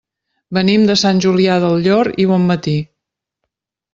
Venim de Sant Julià del Llor i Bonmatí.